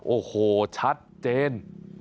โอ้โหชัดเจน